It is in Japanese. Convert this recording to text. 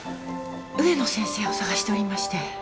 植野先生を探しておりまして。